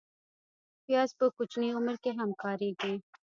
پیاز په کوچني عمر کې هم کارېږي